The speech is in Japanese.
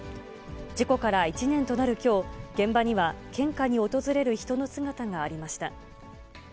事故から１年となるきょう、現場には献花に訪れる人の姿がありました。